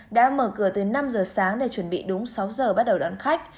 đã mở cửa từ năm h sáng để chuẩn bị đúng sáu h bắt đầu đón khách